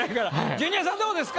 ジュニアさんどうですか？